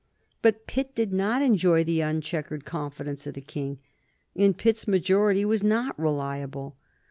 But Pitt did not enjoy the uncheckered confidence of the King, and Pitt's majority was not reliable.